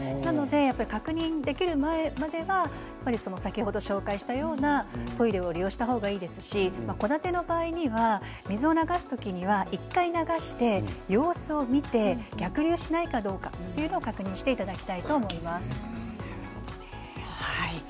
確認できるまでは先ほど紹介したようなトイレを利用する方がいいですし戸建ての場合には水を流す時には１回、流して様子を見て逆流しないかどうかという確認をしていただきたいと思います。